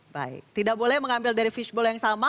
baik tidak boleh mengambil dari fishball yang sama